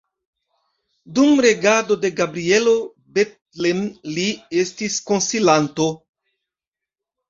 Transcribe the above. Dum regado de Gabrielo Bethlen li estis konsilanto.